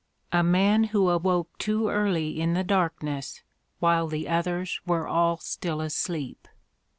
a man who awoke too early in the darkness, while the others were all still asleep."